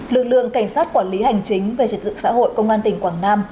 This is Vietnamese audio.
lực lượng cảnh sát quản lý hành chính về trật tự xã hội công an tỉnh quảng nam